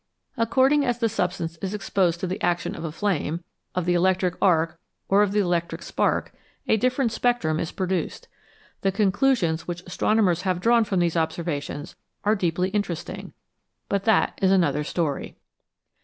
According as the substance is exposed to the action of a flame, of the electric arc, or of the electric spark, a different spectrum is produced. The conclusions which astronomers have drawn from these observations are deeply interesting ; but that is another story.